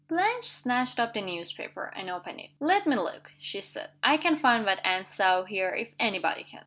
Blanche snatched up the newspaper, and opened it. "Let me look!" she said. "I can find what Anne saw here if any body can!"